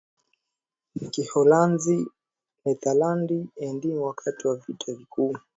Kiholanzi Nederlands Indië Wakati wa vita kuu